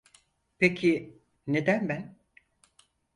Peki neden ben?